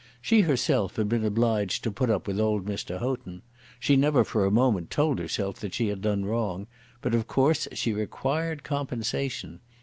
She herself had been obliged to put up with old Mr. Houghton. She never for a moment told herself that she had done wrong; but of course she required compensation.